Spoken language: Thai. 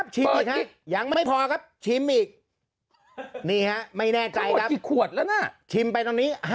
ชิมอีกครับชิมอีกคับ